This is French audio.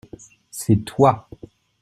C’est toi.